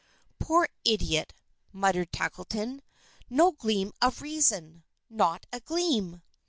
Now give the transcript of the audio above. "Poor idiot!" muttered Tackleton. "No gleam of reason! Not a gleam!"